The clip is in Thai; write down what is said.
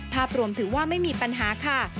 ภาพรวมถือว่าไม่มีปัญหาค่ะ